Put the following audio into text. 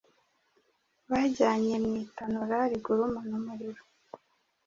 bajyanye mu itanura rigurumana umuriro,